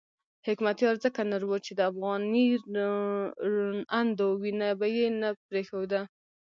حکمتیار ځکه نر وو چې د افغاني روڼاندو وینه به یې نه پرېښوده.